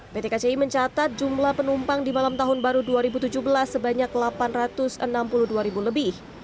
pt kci mencatat jumlah penumpang di malam tahun baru dua ribu tujuh belas sebanyak delapan ratus enam puluh dua ribu lebih